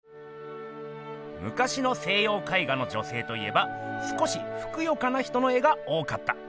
むかしの西よう絵画の女性といえば少しふくよかな人の絵が多かった。